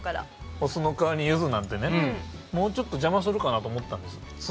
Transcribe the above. お酢の代わりにゆずなんてねもうちょっと邪魔するかなと思ったんです